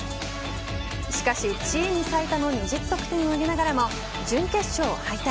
しかしチーム最多の２０得点を挙げながらも準決勝敗退。